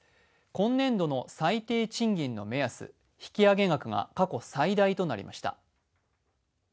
今年度の最低賃金の目安引き上げ額が過去最大となりました。